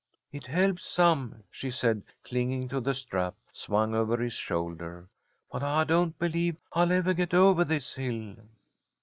"It helps some," she said, clinging to the strap swung over his shoulder, "but I don't believe I'll evah get ovah this hill."